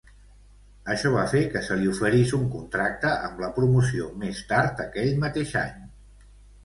Això va fer que se li oferís un contracte amb la promoció més tard aquell mateix any.